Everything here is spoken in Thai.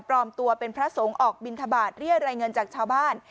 ปลอมตัวเป็นพระสงฆ์ออกบินทบาทเรียรายเงินจากชาวบ้าน